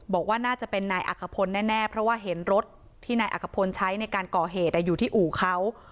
บอกว่าน่าจะเป็นนายอักขพลแน่เพราะว่าเห็นรถที่นายอักขพลใช้ในการก่อเหตุอยู่ที่อู่เขา